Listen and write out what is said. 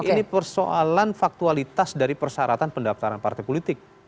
ini persoalan faktualitas dari persyaratan pendaftaran partai politik